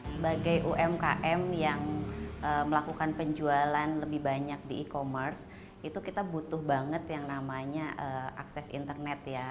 sebagai umkm yang melakukan penjualan lebih banyak di e commerce itu kita butuh banget yang namanya akses internet ya